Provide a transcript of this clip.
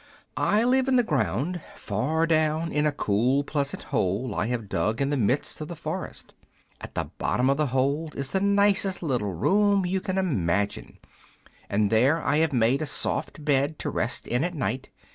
"I live in the ground, far down in a cool, pleasant hole I have dug in the midst of the forest. At the bottom of the hole is the nicest little room you can imagine, and there I have made a soft bed to rest in at night.